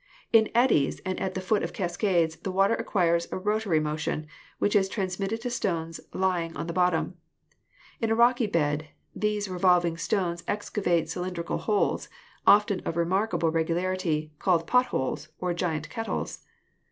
In eddies and at the foot of cascades the water acquires a rotary motion, which is transmitted to stones lying on the bottom. In a rocky bed these revolving stones excavate cylindrical holes, often of remarkable regularity, called pot holes, or giant kettles.